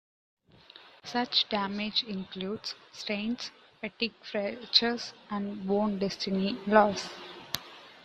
Such damage includes strains, fatigue fractures, and bone density loss.